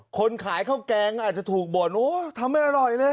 คนขายข้าวแกงอาจจะถูกบ่นโอ้ทำไม่อร่อยเลย